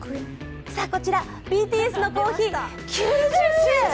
こちら、ＢＴＳのコーヒー、９０円！！